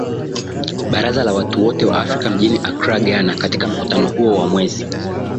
Baraza la watu wote wa Afrika mjini Accra Ghana katika mkutano huo wa mwezi